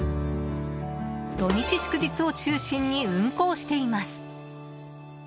土日祝日を中心に運行しています。